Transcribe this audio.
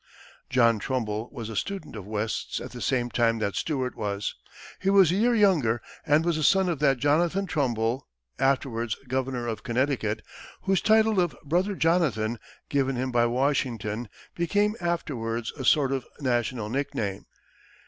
John Trumbull was a student of West's at the same time that Stuart was. He was a year younger, and was a son of that Jonathan Trumbull, afterwards governor of Connecticut, whose title of Brother Jonathan, given him by Washington, became afterwards a sort of national nickname.